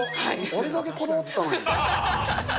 あれだけこだわってたのに。